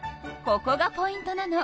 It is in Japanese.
ここがポイントなの。